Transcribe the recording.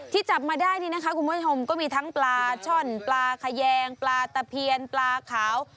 จับมาได้นี่นะคะคุณผู้ชมก็มีทั้งปลาช่อนปลาขยงปลาตะเพียนปลาขาว